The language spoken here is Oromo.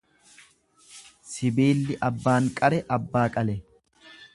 Sibiilli abbaan qare abbaa qale.